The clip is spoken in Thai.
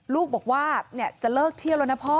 ลูกบอกว่าจะเลิกเที่ยวแล้วนะพ่อ